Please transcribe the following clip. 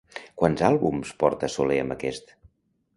Quants àlbums porta Soler amb aquest?